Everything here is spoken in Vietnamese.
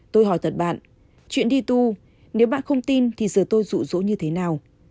tôi hỏi thật bạn chuyện đi tu nếu bạn không tin thì giờ tôi rụ rỗ như thế nào